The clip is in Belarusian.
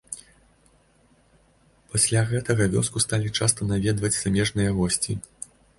Пасля гэтага вёску сталі часта наведваць замежныя госці.